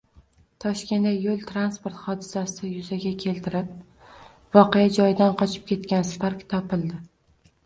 Toshkentda yo´l transport hodisasi yuzaga keltirib, voqea joyidan qochib ketgan Spark topildi